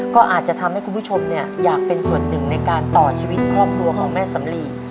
ก็อาจจะทำให้คุณผู้ชมอยากเป็นส่วนหนึ่งในการต่อชีวิตครอบครัวของแม่สำลี